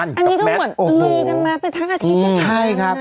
อันนี้ก็เหมือนลือกันมาไปทั้งอาทิตย์กันทั้งนะ